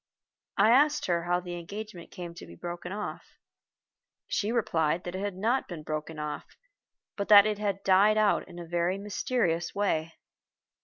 I asked her how the engagement came to be broken off. She replied that it had not been broken off, but that it had died out in a very mysterious way.